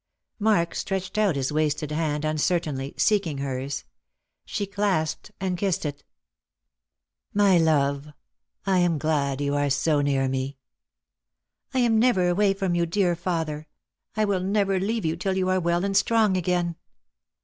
Mark stretched out his wasted hand uncertainly, seeking hers. She clasped and kissed it. " My love, I am glaxl you are so near me." " I am never away from you, dear father. I will never leavu you till you are well and strong again."